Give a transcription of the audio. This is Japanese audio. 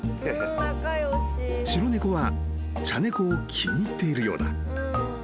［白猫は茶猫を気に入っているようだ］